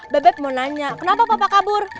bebek mau nanya kenapa bapak kabur